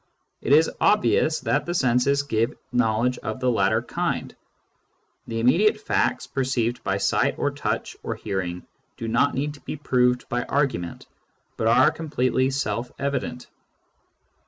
It is obvious that the senses give know ledge of the latter kind : the immediate facts perceived by sight or touch or hearing do not need to be proved by argument, but are completely self evident.